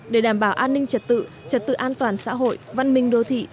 để đảm bảo an ninh trật tự trật tự an toàn xã hội văn minh đô thị